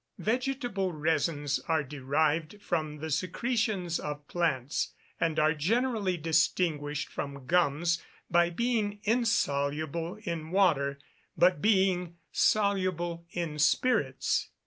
_ Vegetable resins are derived from the secretions of plants, and are generally distinguished from gums by being insoluble in water, but being soluble in spirits.